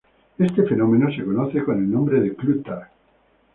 Este fenómeno se conoce con el nombre de clutter.